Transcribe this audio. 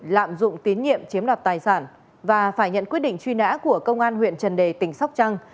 lạm dụng tín nhiệm chiếm đoạt tài sản và phải nhận quyết định truy nã của công an huyện trần đề tỉnh sóc trăng